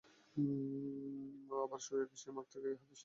আবার শুরায়ক সিমাক থেকে এ হাদীসটির অংশ বিশেষ মওকুফ পদ্ধতিতে বর্ণনা করেছেন।